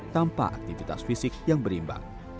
tanpa aktivitas fisik yang berimbang